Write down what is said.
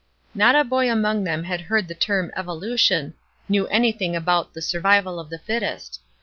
Not a boy among them had heard the term "evolution;" knew anything about "the survival of the fittest."